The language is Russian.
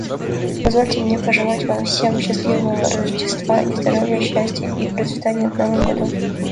Позвольте мне пожелать всем счастливого Рождества и здоровья, счастья и процветания в новом году.